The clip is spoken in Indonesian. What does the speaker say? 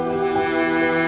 aku kasihan dia